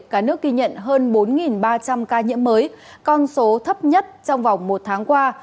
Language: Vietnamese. cả nước ghi nhận hơn bốn ba trăm linh ca nhiễm mới con số thấp nhất trong vòng một tháng qua